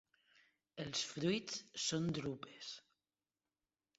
Els fruits són drupes.